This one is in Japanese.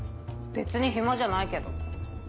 別に暇じゃないけど。